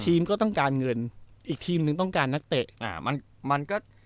ก็ต้องการเงินอีกทีมหนึ่งต้องการนักเตะอ่ามันมันก็